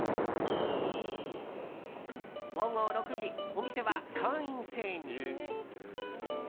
午後６時、お店は会員制に。